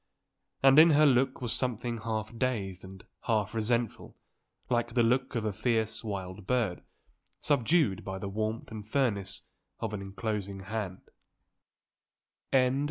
And in her look was something half dazed and half resentful like the look of a fierce wild bird, subdued by the warmth and firmness of an enclosing hand.